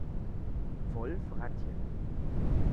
Wolf Rathjen